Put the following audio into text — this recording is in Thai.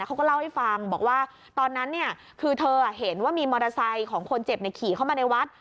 เขาก็เล่าให้ฟังบอกว่าตอนนั้นคือเธอเห็นว่ามีมอเตอร์ไซค์ของคนเจ็บขี่เข้ามาในวัด